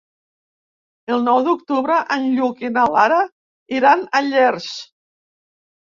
El nou d'octubre en Lluc i na Lara iran a Llers.